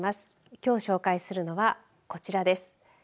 きょう紹介するのはこちらです。